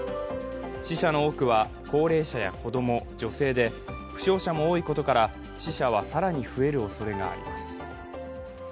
死者の多くは高齢者や子供、女性で負傷者も多いことから死者は更に増えるおそれがあります。